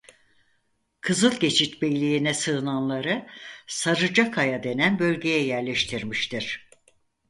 Kızılgeçit beyliğine sığınanları Sarıcakaya denen bölgeye yerleştirmiştir.